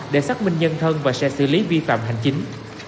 để xác minh nhân thân và sẽ xử lý vi phạm hành chính